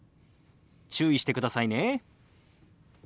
注意してくださいね。